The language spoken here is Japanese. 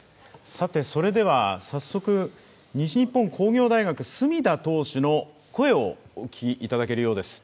それでは早速西日本工業大学隅田投手の声をお聞きいただけるようです。